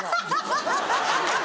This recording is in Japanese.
ハハハハ！